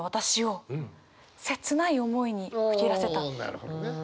おなるほどね。